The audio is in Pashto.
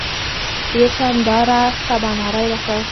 ډېر شانداره سباناری راکړ.